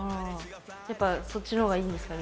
やっぱそっちの方がいいんですか？